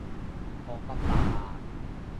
惡乜霸啊？